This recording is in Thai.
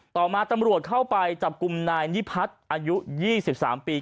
ต่อมาตำรวจเข้าไปจับกลุ่มนายนิพัฒน์อายุ๒๓ปี